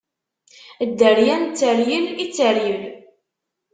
Dderya n tteryel i tteryel!